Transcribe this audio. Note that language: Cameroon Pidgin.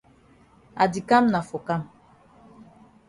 I di kam na for kam.